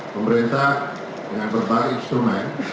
pemerintah dengan berbagai instrumen